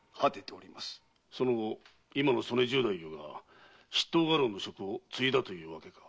その後今の曽根重太夫は筆頭家老の職を継いだというわけか。